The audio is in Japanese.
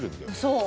そう。